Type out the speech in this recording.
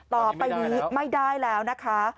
ต่อไปนี้ไม่ได้แล้วนะคะ